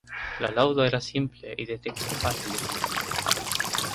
La lauda era simple y de texto fácil de comprender.